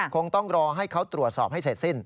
คงต้องรอให้เขาตรวจสอบให้เสร็จสิ้น